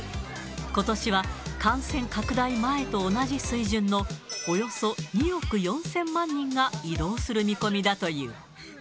ことしは感染拡大前と同じ水準のおよそ２億４０００万人が移動する見込みだという。